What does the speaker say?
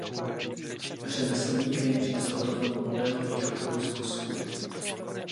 Řemeslník nejdřív zhotovil model výrobku z vosku.